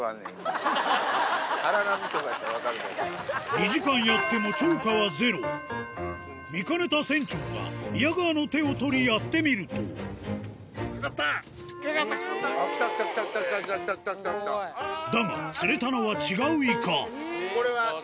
２時間やっても見かねた船長が宮川の手を取りやってみるとだが釣れたのは違う